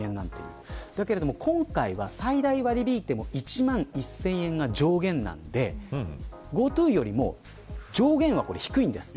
今回は最大割り引いても１万１０００円が上限なのでＧｏＴｏよりも上限は低いんです。